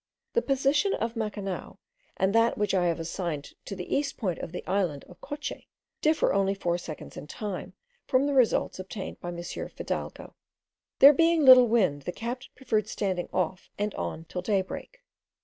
The position of Macanao and that which I have assigned to the east point of the island of Coche, differ only four seconds in time, from the results obtained by M. Fidalgo. There being little wind, the captain preferred standing off and on till daybreak.